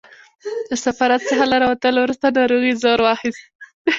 له سفارت څخه له راوتلو وروسته ناروغۍ زور واخیست.